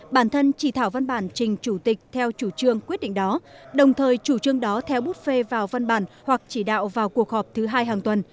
bản thân chỉ thảo văn bản trình chủ tịch theo chủ trương quyết định đó đồng thời chủ trương đó theo bút phê vào văn bản hoặc chỉ đạo vào cuộc họp thứ hai hàng tuần